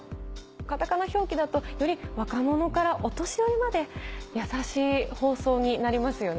片仮名表記だとより若者からお年寄りまで優しい放送になりますよね。